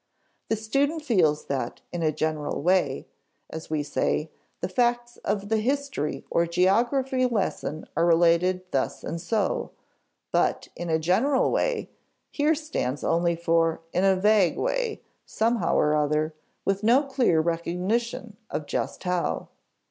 The student feels that "in a general way," as we say, the facts of the history or geography lesson are related thus and so; but "in a general way" here stands only for "in a vague way," somehow or other, with no clear recognition of just how.